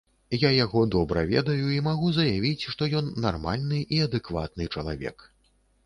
Я яго добра ведаю, і магу заявіць, што ён нармальны і адэкватны чалавек.